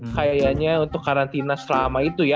kayaknya untuk karantina selama itu ya